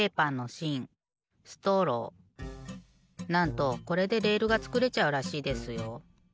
なんとこれでレールがつくれちゃうらしいですよ。